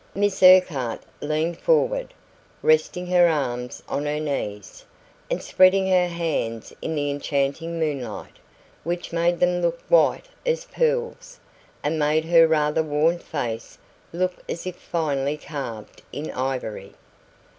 Miss Urquhart leaned forward, resting her arms on her knees, and spreading her hands in the enchanting moonlight, which made them look white as pearls and made her rather worn face look as if finely carved in ivory.